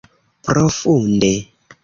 Profunde!